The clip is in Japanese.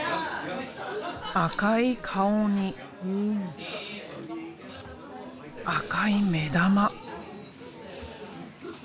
赤い顔に赤い目玉。